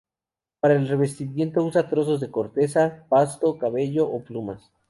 Para el revestimiento usa trozos de corteza, pasto, cabello o plumas.